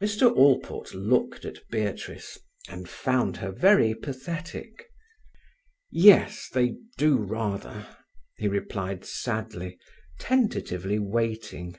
Mr. Allport looked at Beatrice, and found her very pathetic. "Yes, they do rather," he replied sadly, tentatively waiting.